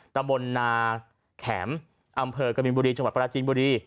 ตะบนนาแข็มอำเภอกบินบุรีจังหวัดปราจีนบุรี